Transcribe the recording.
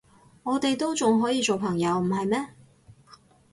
我哋都仲可以做朋友，唔係咩？